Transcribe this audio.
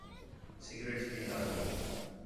سگریٹ پین٘دا ھیں